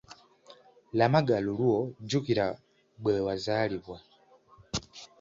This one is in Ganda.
Lamaga lulwo jjukira bwe wazaalibwa.